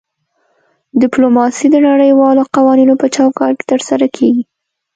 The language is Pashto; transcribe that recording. ډیپلوماسي د نړیوالو قوانینو په چوکاټ کې ترسره کیږي